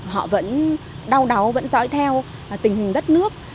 họ vẫn đau đáu vẫn dõi theo tình hình đất nước